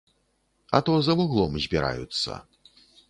А то за вуглом збіраюцца.